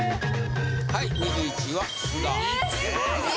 はい２１位は須田。え！